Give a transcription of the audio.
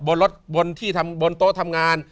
บนที่ทำบนโต๊ะทำงาน